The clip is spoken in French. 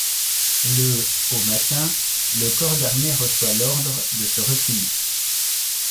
Le au matin, le corps d'armée reçoit l'ordre de se replier.